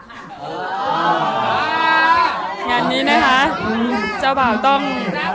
ที่งานนี้นะคะเจ้าป่าร์วต้อง